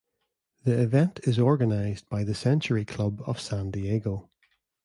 The event is organized by The Century Club of San Diego.